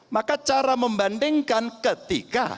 maka cara membandingkan ketika